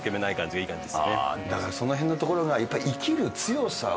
あぁだからそのへんのところが。